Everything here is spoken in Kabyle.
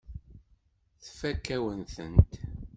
Tfakk-awen-tent.